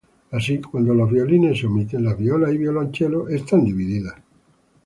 Así, cuando los violines se omiten, las violas y violonchelos están divididas.